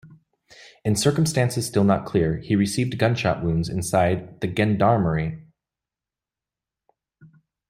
In circumstances still not clear, he received gunshot wounds inside the gendarmerie.